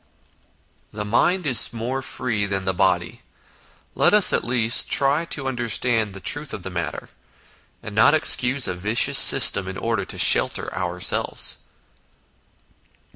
The mind is more free than the body, let us, at least, try to understand the truth of the matter, and not excuse a vicious system in order to shelter ourselves.